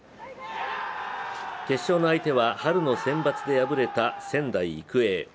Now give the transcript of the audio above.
決勝の相手は春のセンバツで敗れた仙台育英。